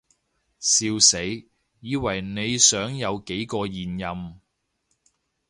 笑死，以為你想有幾個現任